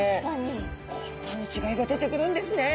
こんなに違いが出てくるんですね。